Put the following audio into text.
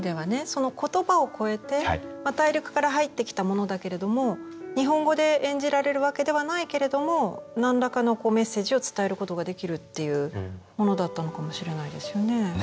その言葉を超えて大陸から入ってきたものだけれども日本語で演じられるわけではないけれどもなんらかのメッセージを伝えることができるっていうものだったのかもしれないですよね。